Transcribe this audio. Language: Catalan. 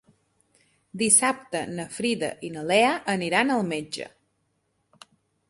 Dissabte na Frida i na Lea aniran al metge.